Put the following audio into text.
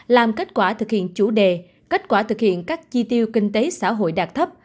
làm kết quả thực hiện chủ đề kết quả thực hiện các chi tiêu kinh tế xã hội đạt thấp